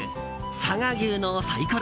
佐賀牛のサイコロ